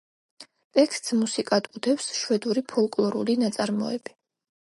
ტექსტს მუსიკად უდევს, შვედური ფოლკლორული ნაწარმოები.